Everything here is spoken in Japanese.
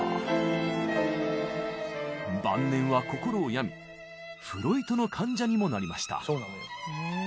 晩年は心を病みフロイトの患者にもなりました。